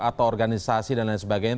atau organisasi dan lain sebagainya